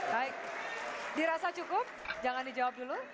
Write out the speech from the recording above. baik dirasa cukup jangan dijawab dulu